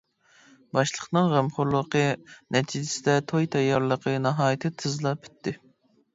باشلىقنىڭ غەمخورلۇقى نەتىجىسىدە توي تەييارلىقى ناھايىتى تېزلا پۈتتى.